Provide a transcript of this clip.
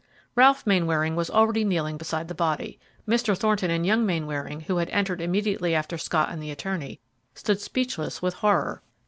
Ralph Mainwaring was already kneeling beside the body; Mr. Thornton and young Mainwaring, who had entered immediately after Scott and the attorney, stood speechless with horror.